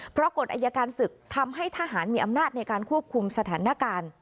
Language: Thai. เพราะกฎอายการศึกทำให้ทหารมีอำนาจในการควบคุมสถานการณ์